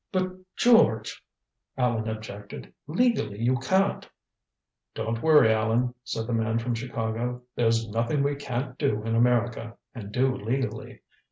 "But, George," Allan objected, "legally you can't " "Don't worry, Allan," said the man from Chicago, "there's nothing we can't do in America, and do legally.